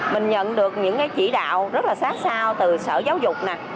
mình nhận được những chỉ đạo rất là sát sao từ sở giáo dục